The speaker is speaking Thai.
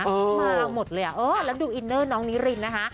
มาหมดเลยอ่ะเออแล้วดูอินเนอร์น้องนิรินนะคะ